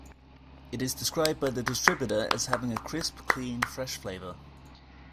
It is described by the distributor as having "a crisp, clean, fresh flavour".